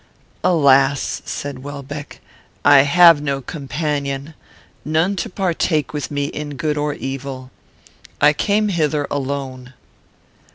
"Alas!" said Welbeck, "I have no companion, none to partake with me in good or evil. I came hither alone."